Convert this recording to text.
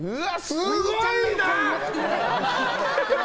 すごいな！